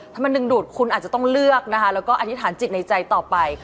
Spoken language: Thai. ถ้ามันดึงดูดคุณอาจจะต้องเลือกนะคะแล้วก็อธิษฐานจิตในใจต่อไป